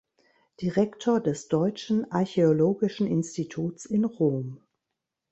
Direktor des Deutschen Archäologischen Instituts in Rom.